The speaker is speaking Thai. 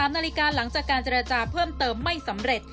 นาฬิกาหลังจากการเจรจาเพิ่มเติมไม่สำเร็จ